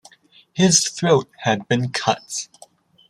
His throat had been cut.